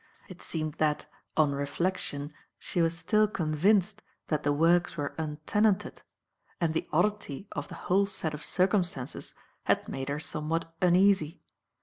It seemed that, on reflection, she was still convinced that the works were untenanted, and the oddity of the whole set of circumstances had made her somewhat uneasy.